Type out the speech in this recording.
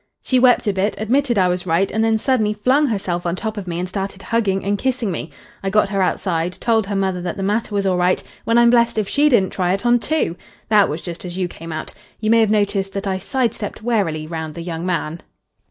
She wept a bit, admitted I was right, and then suddenly flung herself on top of me and started hugging and kissing me. I got her outside, told her mother that the matter was all right, when I'm blessed if she didn't try it on too. That was just as you came out. You may have noticed that I side stepped warily round the young man."